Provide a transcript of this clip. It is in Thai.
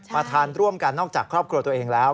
ทานร่วมกันนอกจากครอบครัวตัวเองแล้ว